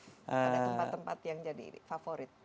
ada tempat tempat yang jadi favorit